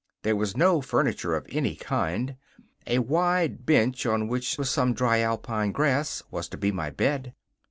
There was no furniture of any kind. A wide bench, on which was some dry Alpine grass, was to be my bed.